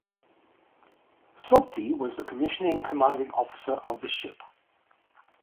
Sobti was the commissioning Commanding Officer of the ship.